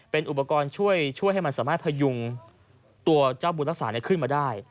เป็นอุปกรณ์ช่วยให้มันสามารถพยุงตัวเจ้าบุญรักษาขึ้นมาได้